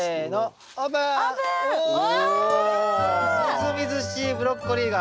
みずみずしいブロッコリーが！